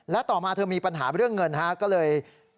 และต่อมาเธอมีปัญหาเรื่องเงินก็เลย